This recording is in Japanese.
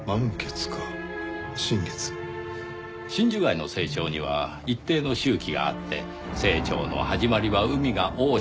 真珠貝の成長には一定の周期があって成長の始まりは海が大潮の日。